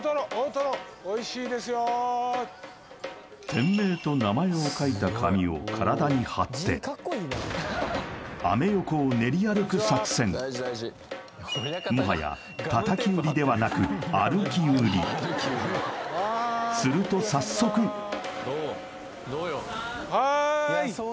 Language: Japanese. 店名と名前を書いた紙を体に貼ってアメ横を練り歩く作戦もはや叩き売りではなくすると早速はーいこんにちは